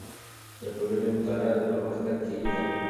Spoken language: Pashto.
د ټولنې مطالعه د پرمختګ کیلي ده.